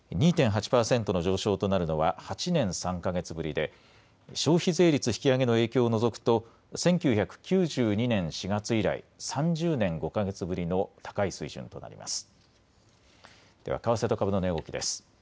２．８％の上昇となるのは８年３か月ぶりで消費税率引き上げの影響を除くと１９９２年４月以来、３０年５か月ぶりの高い水準となります。